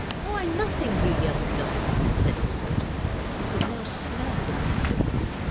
'Why, nothing, you young duffer,' said Oswald, who could now smell the coffee.